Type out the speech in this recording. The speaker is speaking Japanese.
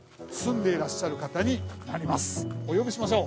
お呼びしましょう。